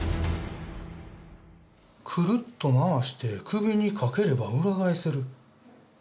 くるっと回して首に掛ければ裏返せる。